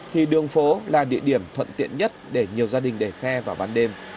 thì đường phố là địa điểm thuận tiện nhất để nhiều gia đình để xe vào ban đêm